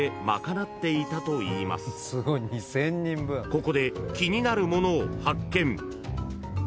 ［ここで気になるものを発見］